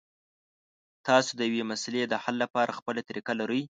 تاسو د یوې مسلې د حل لپاره خپله طریقه لرئ.